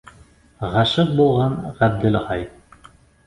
Ғашиҡ булған Ғәбделхай.